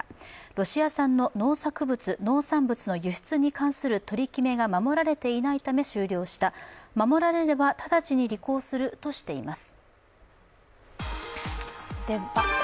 ロシア産の農産物の輸出に関する取り決めが守られていないため終了した、守られれば、ただちに履行するとしています。